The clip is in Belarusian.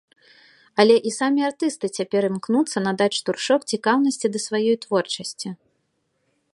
Але і самі артысты цяпер імкнуцца надаць штуршок цікаўнасці да сваёй творчасці.